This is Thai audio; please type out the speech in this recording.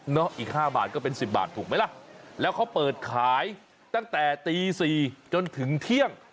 อีก๕บาทก็เป็น๑๐บาทถูกไหมล่ะแล้วเขาเปิดขายตั้งแต่ตี๔จนถึงเที่ยง